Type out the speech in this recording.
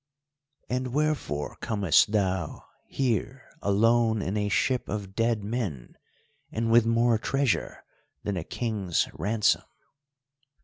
"And wherefore comest thou here alone in a ship of dead men, and with more treasure than a king's ransom?"